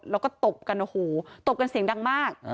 แล้วก็ตบกันโอ้โหตบกันเสียงดังมาก